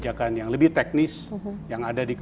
jadi saya rasa ini adalah satu aspek yang harus kita lakukan